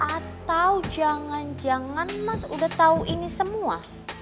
atau jangan jangan mas udah tahu ini semua